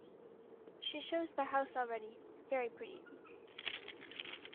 She shows the house already - very pretty.